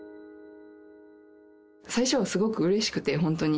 最初はすごくうれしくて、本当に。